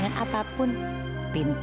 maaf saya mulai murah